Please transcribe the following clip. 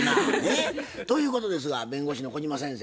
え？ということですが弁護士の小島先生